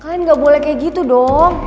kalian gak boleh kayak gitu dong